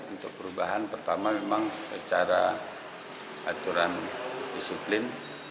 untuk perubahan pertama memang secara aturan disiplin